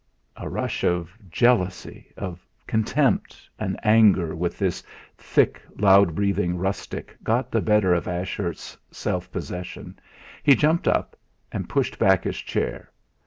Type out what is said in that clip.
A rush of jealousy, of contempt, and anger with this thick, loud breathing rustic got the better of Ashurst's self possession; he jumped up, and pushed back his chair.